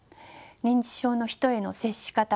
認知症の人への接し方